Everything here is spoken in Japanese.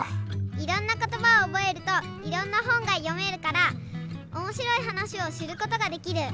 いろんなことばをおぼえるといろんなほんがよめるからおもしろいはなしをしることができる。